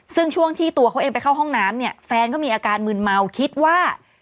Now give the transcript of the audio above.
ซึ่งช่วงที่ตัวเขาเองไปเข้าห้องน้ำเนี่ยแฟนก็มีอาการมืนเมาคิดว่า